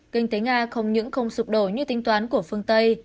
kinh tế nga không những không sụp đổ như tính toán của phương tây